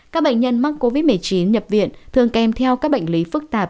các bệnh nhân mắc covid một mươi chín nhập viện thường kèm theo các bệnh lý phức tạp